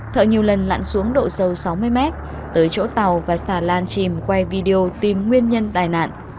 thợ nhiều lần lặn xuống độ sâu sáu mươi m tới chỗ tàu và xà lan chìm quay video tìm nguyên nhân tai nạn